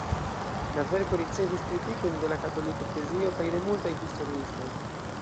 La verko ricevis kritikojn de la Katolika Eklezio kaj de multaj historiistoj.